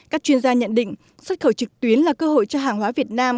các chuyên gia nhận định xuất khẩu trực tuyến là cơ hội cho hàng hóa việt nam